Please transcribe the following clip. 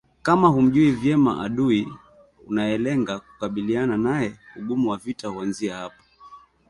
Kama humjui vyema adui unayelenga kukabiliana naye ugumu wa vita huanzia hapo